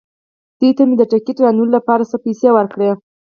دوی ته مې د ټکټ رانیولو لپاره څه پېسې ورکړې.